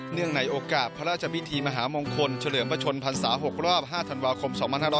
เนื่องในโอกาสพระราชวิทธิมหามงคลเฉลิมประชนพันศา๖รอบ๕ธันวาคม๒๕๔๒